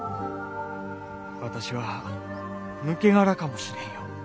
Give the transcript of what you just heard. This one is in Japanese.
私は抜け殻かもしれんよ。